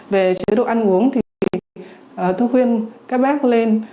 về chế độ ăn uống thì tôi khuyên các bác lên